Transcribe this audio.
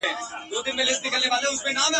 نوروز راسي زېری نه وي پر وزر د توتکیو ..